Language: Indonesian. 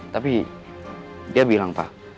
tapi dia bilang pak